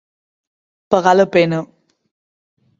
Pagar la pena.